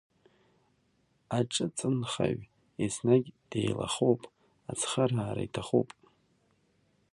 Аҿыцынхаҩ, еснагь деилахоуп, ацхыраара иҭахуп.